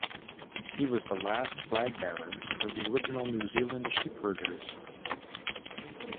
He was the last flag bearer for the original New Zealand Sheepherders.